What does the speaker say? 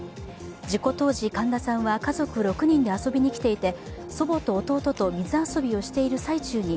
事故当時、神田さんは家族６人で遊びにきていて祖母と弟と水遊びをしている最中に